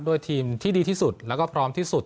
ทีมที่ดีที่สุดแล้วก็พร้อมที่สุด